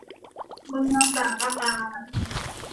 เมืองตากอากาศ